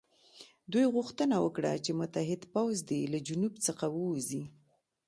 دوی غوښتنه وکړه چې متحد پوځ دې له جنوب څخه ووځي.